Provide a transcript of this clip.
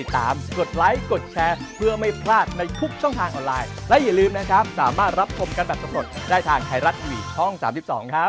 ถ้ามีโอกาสก็ลองไปกันดู